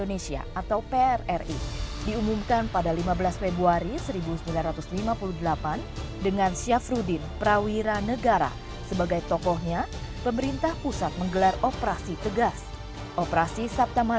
namun kami dilahirkan di tanah yang sama